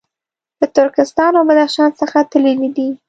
له ترکستان او بدخشان څخه تللي دي.